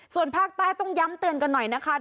ส่วนภาคใต้ต้องย้ำเตือนกันหน่อยนะคะ